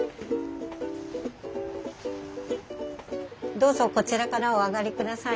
どうぞこちらからお上がりください。